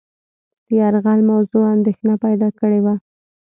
د یرغل موضوع اندېښنه پیدا کړې وه.